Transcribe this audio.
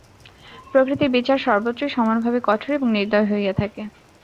প্রকৃতির বিচার সর্বত্রই সমানভাবে কঠোর এবং নির্দয় হইয়া থাকে।